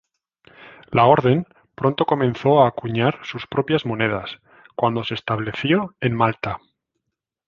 La Orden pronto comenzó a acuñar sus propias monedas cuando se estableció en Malta.